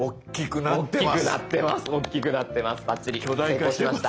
成功しました。